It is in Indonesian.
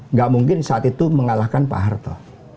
nggak mungkin saat itu mengalahkan pak harto